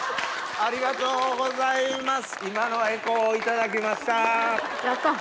ありがとうございます。